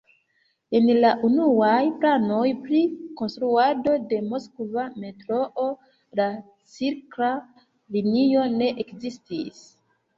En la unuaj planoj pri konstruado de Moskva metroo la cirkla linio ne ekzistis.